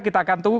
kita akan tunggu